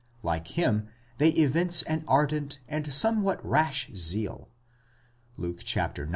Like him, they evince an ardent and somewhat rash zeal (Luke ix.